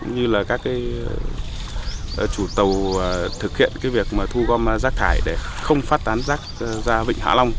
như là các chủ tàu thực hiện việc thu gom rác thải để không phát tán rác ra vịnh hạ long